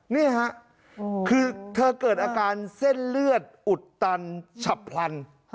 นี่ค่ะคือเธอเกิดอาการเส้นเลือดอุดตันฉับพลัน